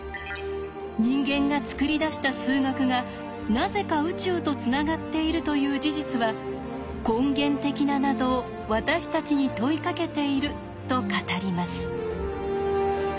人間が作り出した数学がなぜか宇宙とつながっているという事実は根源的な謎を私たちに問いかけていると語ります。